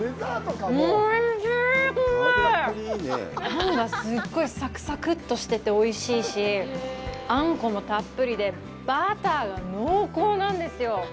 パンが、すごいサクサクッとしてておいしいし、あんこもたっぷりでバターが濃厚なんですよ。